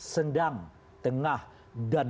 sedang tengah dan